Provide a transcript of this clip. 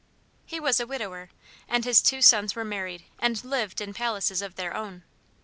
He was a widower, and his two sons were married and lived in palaces of their own.